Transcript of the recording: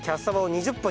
２０分！